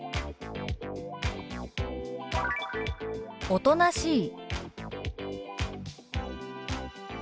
「おとなしい」。